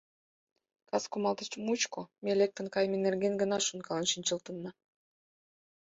Кас кумалтыш мучко ме лектын кайыме нерген гына шонкален шинчылтынна.